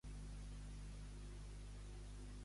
Cam escollir la via democràtica i no la deixarem mai.